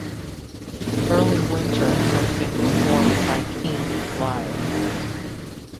Early Winter has been performed by Keane live.